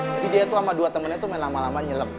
tapi dia tuh sama dua temannya tuh main lama lama nyelem